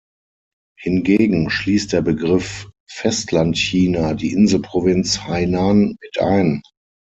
Hingegen schließt der Begriff Festlandchina die Inselprovinz Hainan mit ein.